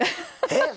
えっ？